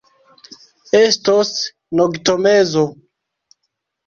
Estos noktomezo.